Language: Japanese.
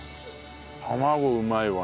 卵うまいわ。